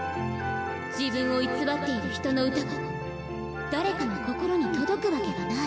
自分を偽っている人の歌が誰かの心に届くわけがない。